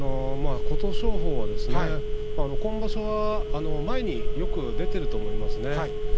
琴勝峰がですね、今場所は前によく出ていると思いますね。